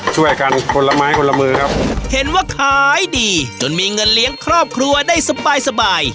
ช่วยกันคนละไม้คนละมือครับเห็นว่าขายดีจนมีเงินเลี้ยงครอบครัวได้สบายสบาย